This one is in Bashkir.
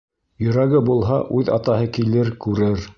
Йөрәге булһа, үҙ атаһы килер, күрер.